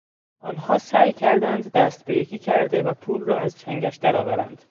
آنها سعی کردند دست به یکی کرده و پول را از چنگش درآورند.